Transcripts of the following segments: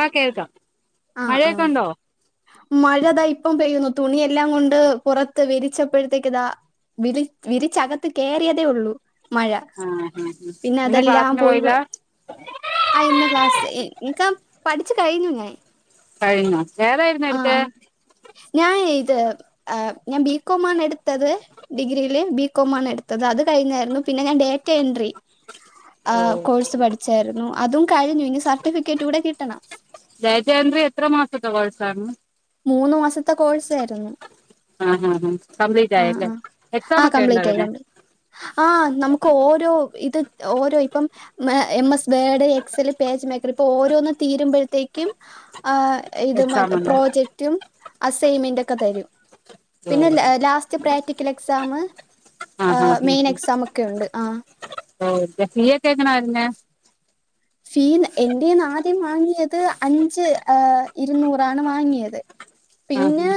ആഹ് കേൾക്കാം മഴയൊക്കെണ്ടോ മഴ താ ഇപ്പം പെയ്യുന്നു. തുണിയെല്ലാം കൊണ്ട് പുറത്ത് വിരിച്ച പ്പോഴത്തേക്കതാ വിരി വിരിച്ചകത്ത് കയറിയതേ ഉള്ളൂ. മഴ, ആഹ് ആഹ് പിന്നെ ഇന്ന് അതെല്ലാം ക്ലാസ്സിന് പോയി. പോയില്ല ആഹ്, ഇന്ന് ക്ലാസ് നിക്കാ പഠിച്ചു കഴിഞ്ഞു ഞാൻ. കഴിഞ്ഞോ, ഏതായിരുന്നു ആഹ് എടുത്തെ. ആഹ് ഞാൻ ഇത്, എ ഞാൻ ബികോം ആണ് എടുത്തത്. ഡിഗ്രിയിയില് ബി കോം ആണ് എടുത്തത്. അത് കഴിഞ്ഞായിരുന്നു. പിന്നെ ഞാൻ ഡേറ്റ എൻട്രി. ആഹ്, കോഴ്സ് പഠിച്ചായിരുന്നു. അതും കഴിഞ്ഞു. ഇനി സർട്ടിഫിക്കറ്റ് കൂടെ കിട്ടണം ദയജയ അന്ദ്രെ എത്ര മാസത്തെ കോയ് സായിരുന്നു. മൂന്ന് മാസത്തെ കോഴ്സ് ആയിരുന്നു. ആഹ്, ആഹ്, ആഹ് കംപ്ലീറ്റ് ആയല്ലേ? എക്സാം ഒക്കെ ഉണ്ടോ? കംപ്ലീറ്റ് ആയി അതിന്. കംപ്ലീറ്റ് ആഹ്, നമുക്ക് ഓരോ, ഇത് ഓരോ ഇപ്പം. മ, M S Word, Excel PageMaker, ഇപ്പൊ ഓരോന്ന് തീരുമ്പോഴത്തേക്കും ആഹ്. ഇത് മ എക്സാം ഉണ്ട് പ്രോജക്ടും, അസൈമെന്റ ഒക്കെ തരും. പിന്നെ ഓഹ് ലാസ്റ്റ്. പ്രാക്ടിക്കൽ എക്സാം, ആഹ് മെയിൻ എക്സാം ഒക്കെ ഉണ്ട്. ആഹ്. ആഹ്, ഫീ ഒക്കെ എങ്ങനെ വരുന്ന. ഫീ എന്റെന്ന് ആദ്യം വാങ്ങിയത് അഞ്ച്, ആഹ്, ഇരുന്നൂറാണ് വാങ്ങിയത്. ആഹ് പിന്നെ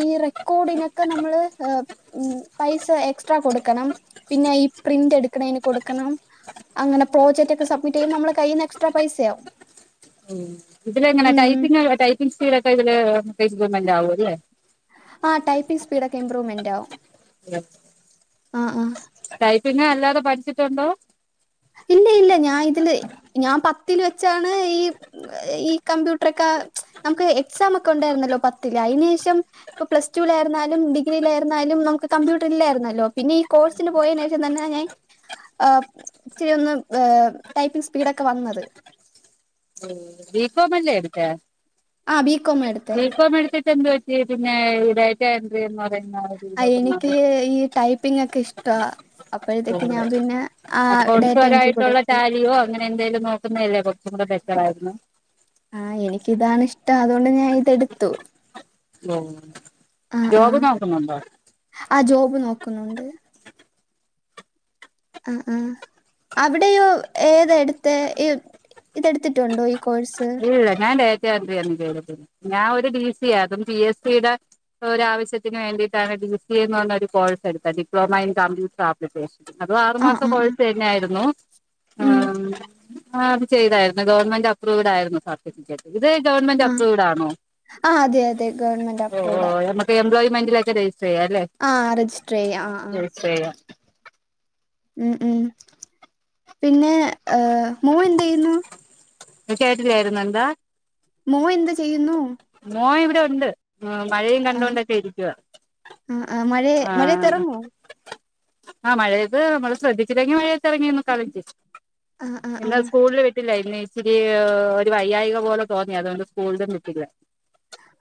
ഈ റെ കൂടിനൊക്കെ നമ്മള് ഹ്, ഉം പൈസ എക്സ്ട്രാ കൊടുക്കണം. പിന്നെ ഈ പ്രിന്റ് എടുക്കണെന് കൊടുക്കണം. അങ്ങനെ പ്രോജക്ട് ഒക്കെ സബ്മിറ്റ് ചെയ്യുമ്പോ, നമ്മള കയ്യീന്ന് എക്സ്ട്രാ പൈസ യാകും. ഉം ഇതിലെങ്ങനെ ടൈപ്പിങ് ടൈപ്പിംഗ് സ്പീഡ്ക്കെ ഇതില് [unintelligible] ണ്ടാവും അല്ലേ. ആഹ്, ടൈപ്പിങ് സ്പീഡ് ഒക്കെ ഇമ്പ്രൂവ്മെന്റാവും. [unintelligible] ആഹ്, ആഹ് ടൈപ്പിങ്ങല്ലാതെ പഠിച്ചിട്ടുണ്ടോ? ഇല്ല, ഇല്ല ഞാൻ ഇതില് ഞാൻ പത്തില് വെച്ചാണ് ഈ ഈ കമ്പ്യൂട്ടറൊക്കെ നമക്ക് എക്സാമൊക്കെ ഉണ്ടായിരുന്നല്ലോ? പത്തില് അതിന് ശേഷം. ഇപ്പ, പ്ലസ് ടുലായിരുന്നാലും, ഡിഗ്രി യിലായിരുന്നാലും, നമുക്ക് കമ്പ്യൂട്ട റിലായിരുന്നല്ലോ? പിന്നെ ഈ കോഴ്സ് പോയേനേഷം തന്നെ ഞാൻ, ഏഹ്. ച്ചിരിയൊന്ന്, ഏ ടൈപ്പിങ്ങ്സ്പീഡൊക്കെ വന്നത്. ബീ കോ മല്ലെ, എടുത്തേ? ആഹ്, ബീ കോ മാട്ത്തെ. ബീ കോ മെടുത്തിട്ടെന്തു പറ്റി, പിന്നെ, ഈ ഡേറ്റയൻട്രി എന്ന് പറയുന്ന തിലോട്ട് മാറി. ടൈപ്പിങ്ങൊക്കെ ഇഷ്ടവാ. അപ്പോഴത്തേക്ക് ഞാൻ പോകുന്നത് പിന്നെ ആഹ്, ഡേറ്റ എൻട്രി കൂടെ എട്ത്തു. അങ്ങന എന്തേലും നോക്കു ന്നതല്ലേ? കൊറച് കൂടെ ബെറ്ററായിരുന്ന്. ആഹ്, എനിക്കിതാണിഷ്ടം. അതൊണ്ട് ഞാൻ ഇതെടുത്തു. [unintelligible] ആഹ്, ആഹ്, നോക്കുന്നുണ്ടോ ആഹ് ജോബ്, നോക്കുന്നുണ്ട്. ആഹ്, ആഹ് അവിടെ യോ? ഏത ഇട്ത്തെ ഇ ഇതെടുത്തിട്ടുണ്ടോ? ഈ കോഴ്സ്. ഇല്ല, ഞാൻ ഡേറ്റ എൻട്രിയാര്ന്ന് ചെയ്തിട്ടുള്ളത്, ഞാൻ ഒരു ഡി സി അതും പി എ സ് സി ടെ ഒരാ വശ്യത്തിന് വേണ്ടിയിട്ടാണ് ഡി സി എ എന്ന് പറയുന്ന ഒരു കോഴ്സ് എടുത്തത്. Diploma in computer application. അപ്പൊ, ആറു ആ മാസ ആ ആ കോഴ്സ് തന്നെ ആയിരുന്നു. ഉം ആഹ്. ആഹ്, അത് ചെയ്താര്ന്ന്, ഗവൺമെന്റ് അപ്രൂവ്ഡ ആയിരുന്നു സാ [unintelligible] ഇത് ആ ഗവൺമെന്റഅപ്രൂവഡാണോ ആ അതെ അതെ ഗവൺമെന്റ് അപ്രൂവ്ഡ് [unintelligible] എംബ്ലോയ്മെൻ്റിലക്കെ രജിസ്റ്ററെയാല്ലേ ആഹ് രജിസ്റ്റർയ്യാ ആഹ് ആഹ് ചെയ്യാ ഉം ഉം പിന്നെ ഏഹ് മോനെന്തയ്യുന്നു കേട്ടില്ലായിരുന്നു എന്താ മോ എന്ത്ചെയ്യുന്നു മോ ഇവിടെണ്ട് മഴയും ആഹ് കണ്ടുകൊണ്ടൊക്കെ ഇരിക്ക ആഹ് ആഹ് മഴേ മഴേത്തറങ്ങോ ആഹ് മഴയത്ത് നമ്മള് ശ്രദ്ധിച്ചില്ലെങ്കി മഴയത്തിയറങ്ങിയന്ന് കളിക്കും ആഹ് ആഹ് ആഹ് സ്കൂള് വിട്ടില്ല ഇന്ന് ഇച്ചിരി എഹ് ഒരു വയ്യായിക പോലെ തോന്നി അതോണ്ട് സ്കൂളിലു വിട്ടില്ല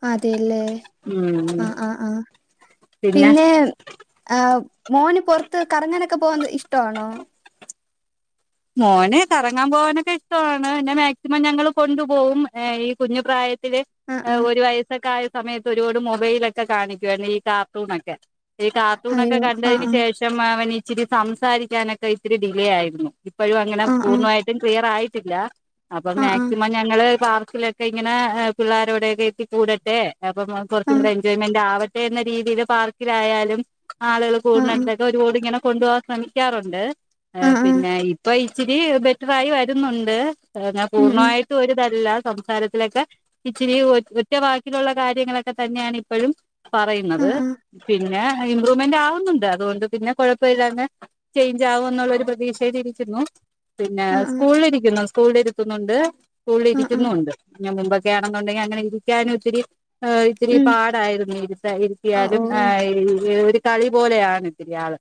അതെല്ലേ ഉം ആഹ് ആഹ് ആഹ് പിന്നെ ആഹ് മോന് പൊർത്ത് കറങ്ങനൊക്കെ പോന്നത് ഇഷ്ടാണോ മോന് കറങ്ങാൻ പോകാനൊക്കെ ഇഷ്ടവാണ് പിന്നെ മാക്സിമം ഞങ്ങള് കൊണ്ടുപോവുംഏ ഈ കുഞ്ഞുപ്രായത്തില് ആഹ് ആഹ് ഒരു വയസ്സൊക്കെയായ സമയത്ത് ഒരുപാട് മൊബൈലൊക്കെ കാണിക്കുവാര്ന്ന് ഈ കാർട്ടൂണൊക്കെ ഈ കാർട്ടൂണൊക്കെ അയ്യോ ആഹ് കണ്ടയിന് ശേഷം അവനിച്ചിരി സംസാരിക്കാനൊക്കെ ഇത്തിരി ഡിലേയായിരുന്നു. ഇപ്പഴും അങ്ങനെ ആഹ് ആഹ് പൂർണ്ണായിട്ടും ക്ലിയറായിട്ടില്ല അപ്പൊ ആഹ് മാക്സിമം ഞങ്ങള് പാർക്കിലൊ ക്കെ ഇങ്ങനെ പിള്ളോരോടെയക്കെ എത്തി കൂടട്ടെ അപ്പം [unintelligible] ആഹ് കൊർച്ചുകൂടെ എൻജോയ്മെന്റ് ആവ ട്ടെന്നരീതില് പാർക്കിലായാലും ആളുകൾ ആഹ് ആഹ് ആഹ് കൂടുന്നോട്തൊക്കെ ഒരുപാടിങ്ങനെ കൊണ്ടുപോവാൻ ശ്രമിക്കാറുണ്ട് ആഹ് ആഹ് പിന്നെ ഇപ്പൊ ഇച്ചിരി ബെറ്ററായി വരുന്നുണ്ട് ഞാൻ ഉം ഉം പൂർണ്ണമായിട്ടും ഒരുതല്ല സംസാരത്തിലൊക്കെ ഇച്ചിരി ഒറ്റ് ഒറ്റവാക്കിലുള്ള കാര്യങ്ങളൊക്കെ തന്നേണ് ഇപ്പഴും ആഹ് പറയുന്നത് ആഹ് പിന്നെ ഇംമ്പ്രൂവമെന്റ് ആവുന്നുണ്ട് അതുകൊണ്ട് പിന്നെ കൊഴപ്പയില്ലാന്ന് ചേഞ്ച് ആവുന്നുള്ളരു പ്രതീക്ഷയിലിരി ക്കുന്നു പിന്നെ ആഹ് സ്കൂളിരിക്കുന്നു സ്കൂളിരുത്തുന്നുണ്ട് ആഹ് ആഹ് സ്കൂളിരിക്കുന്നുണ്ട് മുമ്പൊക്കെയണെന്നുണ്ടെങ്കിൽ അങ്ങനെ ഇരിക്കാനും ഒത്തിരി ഹാ ഇത്തിരി ഉം പാടായിരുന്നു ഇരുത്ത ആഹ് ഓ ഇരിത്തിയാലും ആഹ് [unintelligible] ഒരു കളിപോലെയാണിത്തിരിയാള്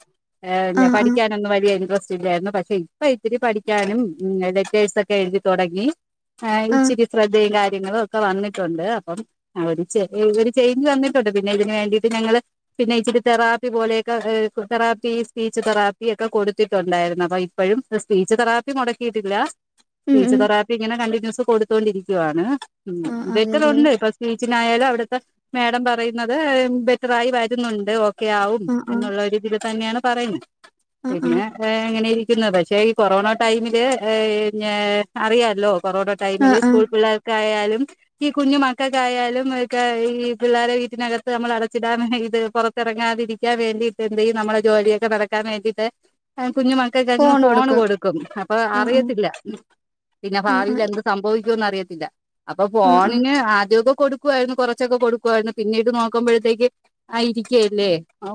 ഏഹ് ആഹ് ആഹ് പഠിക്കാനൊന്നും വലിയ ഇൻട്രസ്റ്റല്ലായിരുന്നു പക്ഷെ ഇ ഇപ്പ ഇത്തിരി പഠിക്കാനും ഉം ലെറ്റേഴ്സ് ഒക്കെ എഴുതി തൊടങ്ങി ഏഹ് ആഹ് ഇച്ചിരി ശ്രദ്ധയും കാര്യങ്ങളും ഒക്കെ വന്നിട്ടുണ്ട് അപ്പം ഒരു ഒരു ചേഞ്ച് വന്നിട്ടുണ്ട് പിന്നെ ഇതിന് വേണ്ടിയിട്ട് ഞങ്ങള് പിന്നെ ഇച്ചിരി തെറാപ്പി പോലെയൊക്കെ ഏ തെറാപ്പി സ്പീച്ച് തെറാപ്പി ഒക്കെ കൊടുത്തിട്ടുണ്ടായിരുന്നു അപ്പൊ ഇ ഇപ്പോഴും സ്പീച്ച് തെറാപ്പി മുടക്കിട്ടില്ല ഉം സ്പീച്ച് ഉം തെറാപ്പി ഇങ്ങനെ കണ്ടിന്യൂസ് കൊടു ത്തോണ്ട്രിക്കാണ് ഉം ആഹ് അതെല്ലേ ബെറ്ററുണ്ട് ഇപ്പം സ്പീച്ചിനായാലും അവിടുത്തെ മാേഡം പറയുന്നത് ബെറ്ററായി വരുന്നുണ്ട് ഓ ക്കെ ആവും ആഹ് ആഹ് എന്നുള്ളര്‌ത് തന്നെയാണ് പറയുന്നെ ആഹ് പിന്നെ ആഹ് എങ്ങനെ ഇരി ക്കുന്നത് പക്ഷേ ഈ കൊറോണ ടൈമില് ഏഹ് ഏഹ് അറിയാല്ലോ കൊറോണ ടൈമില് ആഹ് ആഹ് സ്കൂൾ പിള്ളേർ ക്കായാലും ഈ കുഞ്ഞു മക്കക്കായാലും ഇക്ക ഈ പിള്ളേരെ വീട്ടിനകത്ത് നമ്മൾ അടച്ചിടാൻ ഇത് പൊറ ത്തെറങ്ങാതിരിക്കാൻ വേണ്ടീട്ട് എന്ത് ചെയ്യും നമ്മുടെ ജോലിയൊക്കെ നടക്കാൻ വേണ്ടീട്ട് കുഞ്ഞു മക് ക്കങ്ങ് ഫോണ് കൊടുക്കും അപ്പൊ ആഹ് ആഹ് അറിയത്തില്ല പിന്നെ ആഹ് ഭാവിയിൽ എന്ത് സംഭവിക്കുംന്ന് അറിയത്തില്ല അപ്പൊ ആഹ് ഫോണിന് ആദ്യക്കെ കൊടു ക്കുവായിരുന്നു കൊറച്ചൊക്കെ കൊടുക്കുവായിരുന്നു പിന്നീട് നോക്കുമ്പോഴത്തേക്ക് ഇരിക്കല്ലേ ആ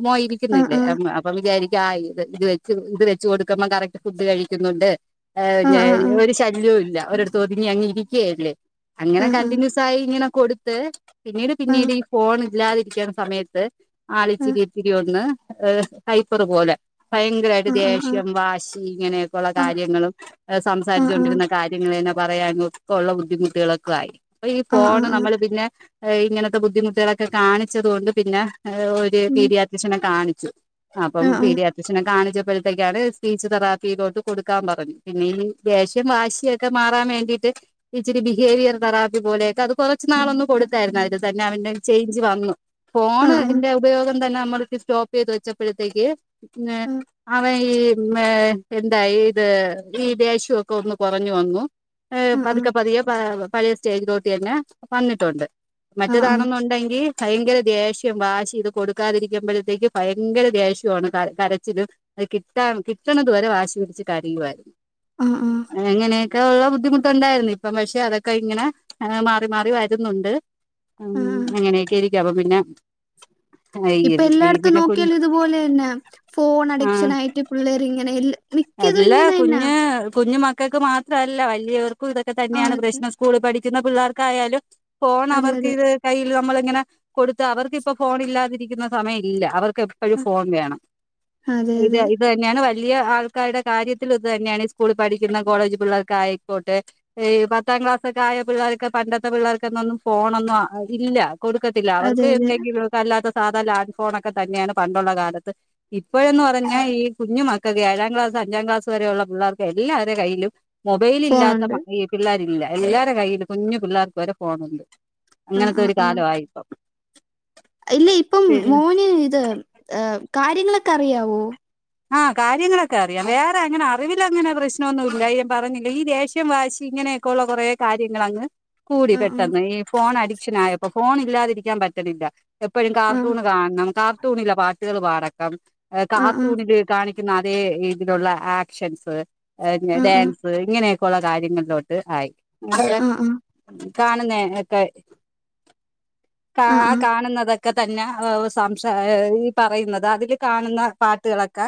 ആഹ് ആഹ് മോയിരിക്കുന്നില്ലേ അപ്പൊ വിചാരിക്ക ആ ഇത് ഇത് വെച്ച് ഇത് വെ കൊടുക്കുമ്പ കറക്ട് ഫുഡ് കഴിക്കുന്നുണ്ട് ആഹ് ആഹ് ആഹ് ആഹ് ഒരു ശല്യവും ഇല്ല ഒ ചോതിങ്ങി അങ്ങ് ഇരിക്കുകല്ലേ അങ്ങനെ ആഹ് ആഹ് ആഹ് കണ്ടിന്യൂസ് ആയി ഇങ്ങനെ കൊടുത്ത് പിന്നീട് ആഹ് പിന്നീട് ഈ ഫോൺ ഇല്ലാതിരിക്കൻ സമയത്ത് ആഹ് ആളിച്ചിരി ഇത്തിരി ഒന്ന് ഏഹ ഹൈപ്പർ പോലെ ഭയങ്കരട്ട ആഹ് ദേഷ്യം ആഹ് കുംവാശി ഇങ്ങനെയൊക്കെ ഉള്ള ആഹ് കാര്യങ്ങളും ആഹ് ആഹ് സംസരിച്ചുകൊണ്ടിരുന്ന കാര്യ തന്നെ പറയാന ഒക്കെ ഉള്ള ബുദ്ധിമുട്ടുകളൊക്കെ ആയി അപ്പൊ ഈ ആഹ് ആഹ് ഫോണ് ആഹ് നമ്മള് പിന്നെ ഇങ്ങനത്തെ ബുദ്ധിമുട്ടുകളൊക്കെ കാണിച്ചത് കൊണ്ട് പിന്നെ ഒരു ഉം പീടി ആട്രിസ്റ്റ് നെ കാണിച്ചു അപ്പം ആഹ് ആഹ് പീടി ആട്രിസ്റ്റ് നെകാണിച്ചപ്പോഴത്തേ അയാള് ഫീജ് തെറാപ്പിയിലോട്ട് കൊടുക്കാൻ പറഞ്ഞു പിന്നെ ഇനി ദേഷ്യം വാശിയ ഒക്കെ മാറാൻ വേണ്ടിയിട്ട് ഇച്ചിരി ബിഹേവിയർ തെറാപ്പി പോലെയൊക്കെ അത് കൊറച്ച് നാളൊന്നും കൊടുത്തായിരുന്നു അതില് തന്നെ അവന്റെ ചേഞ്ച് വന്നു ആഹ് ഫോണിന്റെ ഉപയോഗം തന്നെ നമ്മൾ സ്റ്റോപ്പ് ചെയ്ത് വെച്ചപ്പോഴത്തേക്ക് പിന്നെ ആഹ് ഇപ് ഈ എന്തായി ഇത് ഈ ദേഷ്യംക്കെ ഒന്ന് കുറഞ്ഞു വന്നു ആഹ് ആഹ് പതുക്കെ പതിയെ പഴയ സ്റ്റേജിലൊട്ടി തന്നെ വന്നിട്ടുണ്ട് ആഹ് ആഹ് മറ്റേതാണെന്നുണ്ടെങ്കിൽ ഭയങ്കര ദേഷ്യം വാശിയ്ത് കൊടുക്കാതിരിക്കുമ്പോഴത്തേക്ക് ഭയങ്കര ദേഷ്യമാണ് കരച്ചിലും അത് കിട്ടാൻ കിട്ടണതു വരെ വാശി പിടിച്ച് കരയുവായിരുന്നു ആഹ് ആഹ് എങ്ങനെയൊക്കെ ഉള്ള ബുദ്ധിമുട്ടുണ്ടായിരുന്നു ഇപ്പം പക്ഷെ അതൊക്കെ ഇങ്ങനെ മാറി മാറി വരുന്നുണ്ട് ഉം ആഹ് ആഹ് അങ്ങനെയൊക്കെ ഇരിക്കാം അപ്പൊ പിന്നെ ഇപ്പൊ ഈ എല്ലായിടത്തും പിന്നെ കുഞ്ഞ് നോക്കിയാലും ഇതുപോലെ തന്നെ ഫോൺ അഡിക്ഷൻ ആയിട്ട് പിള്ളേർ ഇങ്ങനെ മിക്കതും അല്ല ഇങ്ങനെ തന്നാ കുഞ് കുഞ്ഞു മക്കൾക്ക് മാത്രല്ല വലിയവർക്കും ഇതൊക്കെ തന്നെയാണ് ആഹ് പ്രശ്നം സ്കൂള പഠിക്കുന്ന പിള്ളേർക്കായാലും ഫോൺ അതെ അതെ അവർക്ക് അതെ ഇത് കയ്യിൽ നമ്മളിങ്ങനെ കൊടുത്ത് അവർക്കിപ്പോ ഫോൺ ഇല്ലാതിരിക്കുന്ന സമയം ഇല്ല അവർക്ക് എപ്പോ ഒരു ആഹ് ഫോൺ വേണം അതെ ഇത് അതെ ഇത് തന്നെയാണ് വലിയ ആൾ ആക്കാരുടെ കാര്യത്തിൽ ഇത് തന്നെയാണ് ഈ സ്കൂള പഠിക്കുന്ന കോളേജ് പിള്ളേർക്ക ആയിക്കോട്ടെ പത്താം ക്ലാസൊക്കെ ആയ പിള്ളേർക്ക് പണ്ടത്തെ പിള്ളേർക്ക്ന്നൊന്നും ഫോണൊന്നും ഇല്ല കൊടുക്ക ത്തില്ല അതെ അവർക്ക് അതെ എന്തെങ്കിലും അല്ലാത്ത സാധാ ലാൻഡ് ഫോൺൊക്കെ തന്നെയാണ് പണ്ടുള്ള കാലത്ത് ഇപ്പോഴന്ന് പറഞ്ഞാ ഈ കുഞ്ഞു മക്കക്ക് ഏഴാം ക്ലാസ് അഞ്ചാം ക്ലാസ് വരെയുള്ള പിള്ളേർക്ക് എല്ലാവരുടെ കയ്യിലും മൊബൈൽ ഇല്ലാത്ത ഫോണുണ്ട് പിള്ളാരില്ല എല്ലാരരുടെ കയ്യിയില് കുഞ്ഞു പിള്ളേർക്ക് വരെ ഫോണുണ്ട് ആഹ് അങ്ങനത്തെ ആഹ് ഒരു കാല ആഹ് വായിപ്പം ഇല്ല ഇപ്പം മോന് ഇത് കാര്യങ്ങളൊക്കെ അറിയാവോ ആഹ് കാര്യങ്ങളൊക്കെ അറിയാം വേറെ അങ്ങനെ അറിവൽ അങ്ങനെ പ്രശ്നമൊന്നും ഇല്ലായിയം പറഞ്ഞില്ല ഈ ദേഷ്യം വാശി ഇങ്ങനെ ക്കുള്ള കുറ കാര്യങ്ങളൾങ്ങ് കൂടി ആഹ് പെട്ടെന്ന് ഈ ഫോൺ അഡിക്ഷൻ ആയപ്പോ ഫോണില്ലാതിരിക്കാൻ പറ്റണില്ല. എപ്പഴും ആഹ് കാർട്ടൂണ് കാണണം കാർട്ടൂണിലെ പാട്ടുകള് പാടക്കം കാ ആഹ് ത് കാണിക്കുന്ന അതേയിലുള്ള ആക്ഷസ്‌ ആഹ് ഡാൻ ഇങ്ങനെയൊക്കെള്ള കാര്യങ്ങളിലോട്ട് ആയി ആഹ് കാണുന്നയെക്കെ കാ ആഹ് ആ ആഹ് കാണുന്നത് ഒക്കെ തന്നെ സംശ ഈ പറയ്ന്നത് അതിൽ കാണുന്ന പാട്ട്കളൊക്കെ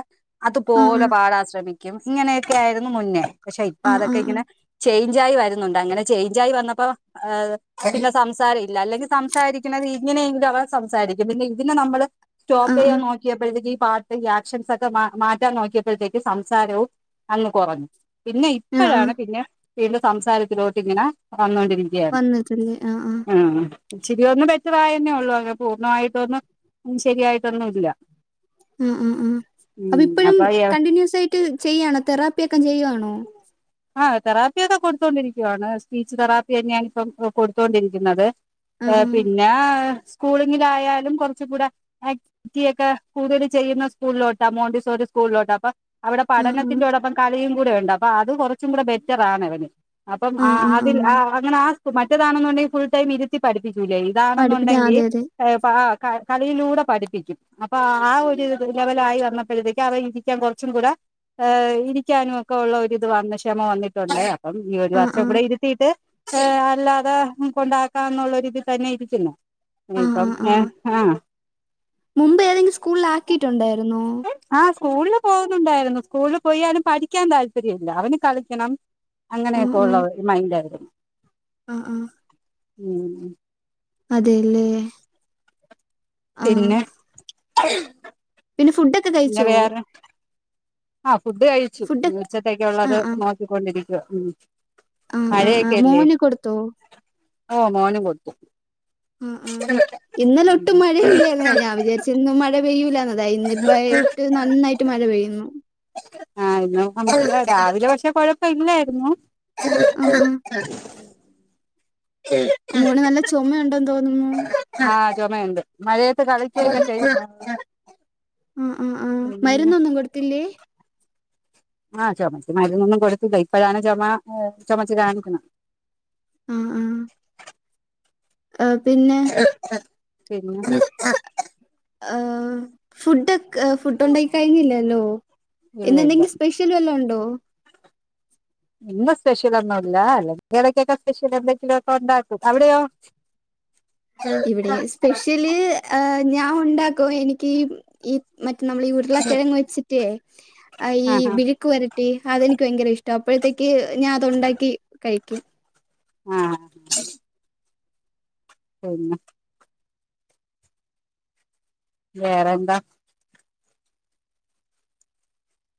ആഹ് അതുപോലെ ആഹ് പാടാശ്രമിക്കും ഇങ്ങനെയൊക്കെ ആരുന്നു മുന്നേ പക്ഷെ ഇപ്പൊ ആഹ് ആഹ് അതൊക്കെ ഇങ്ങനെ ആഹ് ചേയ്ഞ്ചായി വര്ന്നൊണ്ട് അങ്ങനെ ചേയ്ഞ്ചായി വന്നപ്പോ പിന്നെ സംസാരം ഇല്ല അല്ലെങ്കി സംസാരിക്കണ്ത് ഇങ്ങനെയെങ്കിലും അവർ സംസാരിക്കും പിന്നെ ഇതിനെ നമ്മള് സ്റ്റോപ്പ് ആഹ് ആഹ് ആഹ് ആഹ് ചെയ്യാ നോക്കിയപ്പോഴത്തേക്ക്‌ ഈ പാ ഈ ആക്ഷൻസ് ഒക്കെ മാ മാറ്റാൻ നോക്കിയപ്പോഴത്തേക്ക് സംസാരവും അങ്ങ് കൊറഞ്ഞു. പിന്നെ ആഹ് ആഹ് ഇപ്പഴാണ് പിന്നെ വീണ്ടും സംസാരത്തിലോട്ട് ഇങ്ങനെ വന്നോണ്ടിരി ത്ത്യേം വന്നിട്ടില്ലേ ആഹ് ആഹ്. ഇച്ചിരിയൊന്ന് ബെറ്ററായെന്നേ ഒള്ളൂ. അങ്ങ് പൂർണ്ണമായിട്ടൊന്നും ശെരിയായിട്ടൊന്നുംല്ല. ആഹ് ആഹ് ആഹ്. അപ്പ ഇപ്പഴും അപ്പൊ കണ്ടിന്യൂസായിട്ട് ചെയ്യാണോ തെറാപ്പിയൊക്കെ ചെയ്യ്വാണോ? ആഹ് തെറാപ്പിയൊക്കെ കൊട്ത്തോണ്ടിരിക്കുവാണ് സ്പീച്ച് തെറാപ്പിയെന്നെയാണ് ഇപ്പം കൊട്ത്തോണ്ടിരിക്ക്‌യുന്നത്. ആഹ് പിന്നെ സ്കൂളിങ്ങിലായാലും കൊറച്ചുംകൂടെ ആക് റ്റിയൊക്കെ കൂടുതലും ചെയ്യ്ന്ന സ്കൂളിലോട്ടാ മോണ്ടിസോറി സ്കൂളിലോട്ടാ. അപ്പ അവ്ടെ ആഹ് പഠനത്തിൻ്റോടൊപ്പം കളിയും കൂടെയുണ്ട് അപ്പൊ അത് കൊറച്ചും കൂടെ ബെറ്ററാണ് ഇവന്. അപ്പം ആഹ് ആ ആഹ് ആഹ് അതിൽ ആഹ് ആഹ് ആ അങ്ങനെ ആ സ് മറ്റേതാണെന്നുണ്ടെങ്കി ഫുൾ ടൈം ഇരുത്തി പഠിപ്പിക്കൂലേയ്. പഠിപ്പിക്കാൻ ഇതാണെന്നുണ്ടെങ്കി അതെ അതെ ഏഹ് പ ആഹ് ക കളിയിലൂടെ പഠിപ്പിക്കും. അപ്പൊ ആ ഒരു ദ് ലെവലായി വന്നപ്പഴ്ത്തെക്ക്‌ അവൻ ഇരിക്കാൻ കൊറച്ചും കൂടെ ഏഹ് ഇരിക്കാനും ഒക്കെ ഉള്ള ഒരിത് വന്ന് ക്ഷമ വന്നിട്ടൊണ്ട് അപ്പം ഈ ഒര് ആഹ് വർഷം ആഹ് കൂടെ ഇര്ത്തീട്ട്, ഏഹ് അല്ലാതെ കൊണ്ടാക്കാം എന്നുള്ള ഒരിതി തന്നെ ഇരിക്കുന്നു. ആഹ് ഇനിപ്പം ആഹ് ഏഹ് ആഹ്. മുമ്പ് ഏതെങ്കിലും സ്കൂളിലാക്കിയിട്ടുണ്ടായ്ര്ന്നോ? ആഹ് സ്കൂളിൽ പോകുന്നുണ്ടായ്ര്ന്നു സ്കൂളിൽ പോയാലും പഠിക്കാൻ താൽപര്യ ഇല്ല അവന് കളിക്കണം. ആഹ് അങ്ങനെയൊക്കെ ഉള്ള ആഹ് ഒര് മൈൻഡായിരുന്നു. ആഹ്. ഉം ഉം. അതേലേ. പിന്നെ. പിന്നെ ഫുഡ് പിന്നെ വേറെ ആഹ് ഫുഡ് കഴിച്ചു. ഫുഡ് ഇഞ്ഞ് ഉച്ചത്തേക്ക്യുള്ളത് ആഹ് നോ ആഹ് നോക്കികൊണ്ടിരിക്ക്യുവാ. ഉം ആഹ് ആഹ് മഴയൊക്കെ ആഹ് അല്ലേ? മോന് കൊടുത്തോ ഓഹ് മോനും കൊടുത്തു. ആഹ് ആഹ് ഇന്നലെ ഒട്ടും മഴയില്ലേര്ന്ന് ഞാൻ വിചാരി ച്ച് ഇന്നും മഴ പെയ്യൂലാന്ന് ദാ ഇന്ന് ഇപ്പ ഏട്ട് നന്നായിട്ട് ഉം മഴ പെയ്യുന്നു. ആഹ് ഇന്നും നമക്ക്‌ രാവിലെ പക്ഷെ കൊഴപ്പയില്ലാരുന്നു. ആഹ് ആഹ് മോന് നല്ല ചുമയുണ്ടെന്ന് തോന്ന്ന്നു. ആഹ് ചൊമയൊണ്ട് മഴയത്ത് കളിച്ചൊക്കെ ചെയ് ആഹ് ആഹ് ആഹ് മരുന്നൊന്നും കൊടുത്തില്ലേ? ആഹ് ചൊമക്ക്‌ മരുന്നൊന്നും കൊട്ത്തില്ല ഇപ്പഴാണ് ചൊമ ഏഹ് ചൊമച്ച് കാണിക്ക്ണേ. ആഹ് ആഹ്. ആഹ് പിന്നെ പിന്നെ ഏഹ് ഫുഡൊക് ഫുഡുണ്ടാക്കി കഴിഞ്ഞില്ലല്ലോ. ഇല്ല ഇന്ന് ഇല്ല എന്തെങ്കി സ്പെഷ് ല് വല്ലോണ്ടോ? ഇന്ന് സ്പെഷ്യൽ ഒന്നുല്ലാ അല്ലെങ്കി എടക്കെക്കെ സ്പെഷ്യൽ എന്തെങ്കിലും ഒക്കെ ഉണ്ടാക്കും. അവിടെയോ? [inaudible] ഇവിടെയും സ്പെഷ്യല് ഏഹ് ഞാൻ ഉണ്ടാക്കും എനിക്ക് ഈ ഈ മറ്റ നമ്മൾ ഈ ഉരുള് ള കിഴങ്ങ് വെച്ചിട്ടേ എഹ് ഈ ആഹ് ആഹ് വിഴുക്ക് വരട്ടി അതെനിക്ക് ഭയങ്കര ഇഷ് ട്ടാ. അപ്പഴ്ത്തേക്ക് ഞാൻ അത് ഉണ്ടാക്കി കഴിക്കും. ആഹ്... മ്ഷ് [unintelligible] വേറെന്താ?